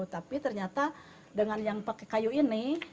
tapi ternyata dengan yang pakai kayu ini